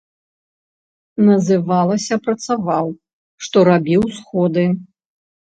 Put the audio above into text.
Называлася працаваў, што рабіў сходы.